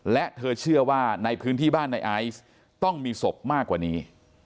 และเธอเชื่อว่าในพื้นที่บ้านในไอซ์ต้องมีศพมากกว่านี้